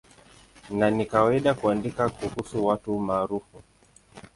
Na ni kawaida kuandika kuhusu watu maarufu.